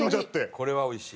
これはおいしい。